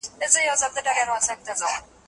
ریا او تصنع په علمي لیکنو کې ځای نه لري.